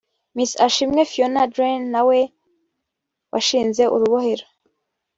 Miss Ashimwe Fiona Dreen na we washinze ‘Urubohero’